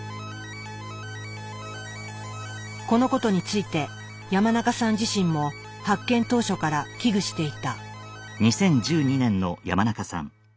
このことについて山中さん自身も発見当初から危惧していた。